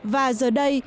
và giờ đây